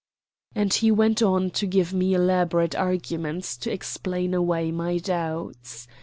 And he went on to give me elaborate arguments to explain away my doubts.